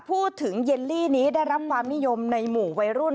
เยลลี่นี้ได้รับความนิยมในหมู่วัยรุ่น